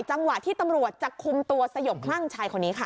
จังหวะที่ตำรวจจะคุมตัวสยบคลั่งชายคนนี้ค่ะ